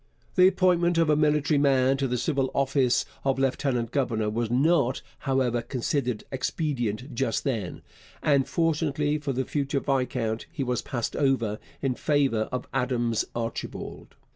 The appointment of a military man to the civil office of lieutenant governor was not, however, considered expedient just then, and, fortunately for the future viscount, he was passed over in favour of Adams Archibald.